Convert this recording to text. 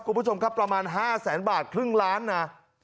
คุณผู้ชมครับประมาณ๕แสนบาทครึ่งล้านนะ